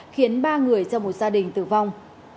khiến ba người trong một gia đình tử vong